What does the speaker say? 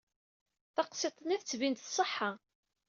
Taqsiṭ-nni tettbin-d tṣeḥḥa.